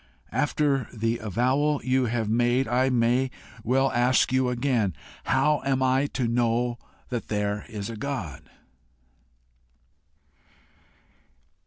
After the avowal you have made, I may well ask you again, How am I to know that there is a God?"